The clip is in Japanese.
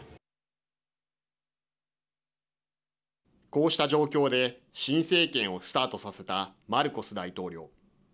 こうした状況で新政権をスタートさせたマルコス大統領。